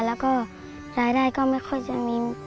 แล้วก็รายได้ก็ไม่ค่อยจะมี